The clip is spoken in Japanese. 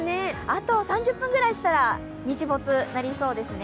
あと３０分くらいしたら日没になりそうですね。